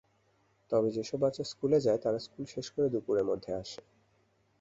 তবে যেসব বাচ্চা স্কুলে যায়, তারা স্কুল শেষ করে দুপুরের মধ্যে আসে।